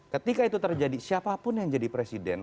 ketika itu terjadi siapapun yang jadi presiden